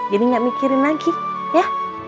jadi gak mikirin lagi ya